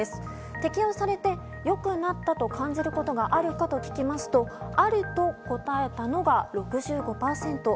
適用されて良くなったと感じることがあるかと聞きますとあると答えたのが６５％。